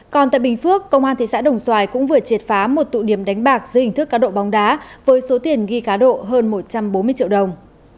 còn tại bình phước công an thị xã đồng xoài cũng vừa triệt phá một tụ điểm đánh bạc dưới hình thức cá độ bóng đá với số tiền ghi cá độ hơn một trăm bốn mươi triệu đồng